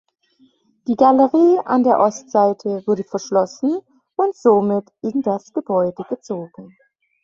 Die Galerie an der Ostseite wurde verschlossen und somit in das Gebäude gezogen.